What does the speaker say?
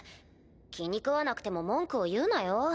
気に食わなくても文句を言うなよ？